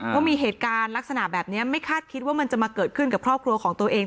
ว่ามีเหตุการณ์ลักษณะแบบนี้ไม่คาดคิดว่ามันจะมาเกิดขึ้นกับครอบครัวของตัวเอง